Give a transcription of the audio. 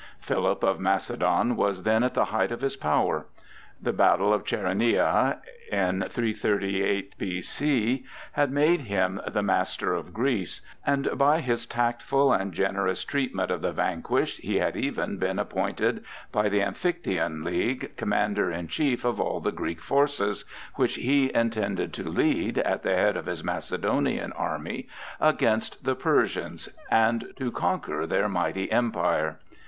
Philip of Macedon was then at the height of his power. The battle of Chæronea, in 338 B.C., had made him the master of Greece; and by his tactful and generous treatment of the vanquished he had even been appointed by the Amphictyon League commander in chief of all the Greek forces, which he intended to lead, at the head of his Macedonian army, against the Persians, and to conquer their mighty empire.